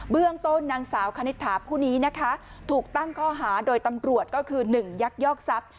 เรื่องต้นนางสาวคณิตถาผู้นี้นะคะถูกตั้งข้อหาโดยตำรวจก็คือ๑ยักยอกทรัพย์